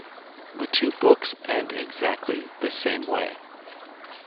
The two books end exactly the same way.